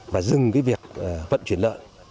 và dừng việc vận chuyển lợn